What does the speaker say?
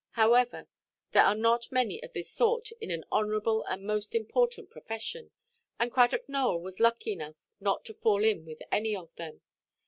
However, there are not many of this sort in an honourable and most important profession; and Cradock Nowell was lucky enough not to fall in with any of them.